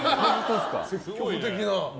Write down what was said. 積極的な。